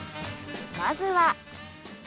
まずは。